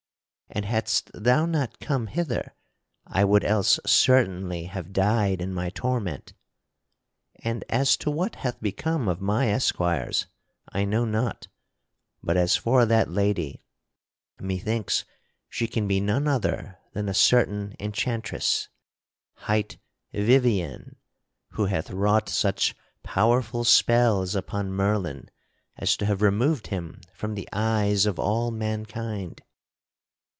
And hadst thou not come hither I would else certainly have died in my torment. And as to what hath become of my esquires, I know not; but as for that lady, methinks she can be none other than a certain enchantress, hight Vivien, who hath wrought such powerful spells upon Merlin as to have removed him from the eyes of all mankind."